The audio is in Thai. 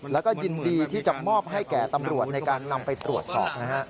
แล้วก็ยินดีที่จะมอบให้แก่ตำรวจในการนำไปตรวจสอบนะฮะ